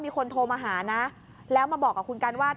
มีคนโทรมาหานะแล้วมาบอกกับคุณกันว่า